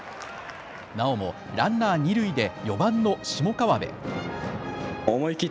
なおもランナー二塁で４番の下河邊。